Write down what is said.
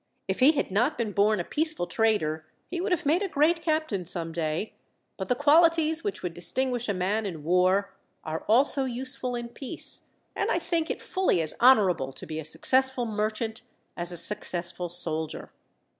If he had not been born a peaceful trader, he would have made a great captain some day; but the qualities which would distinguish a man in war are also useful in peace, and I think it fully as honourable to be a successful merchant, as a successful soldier.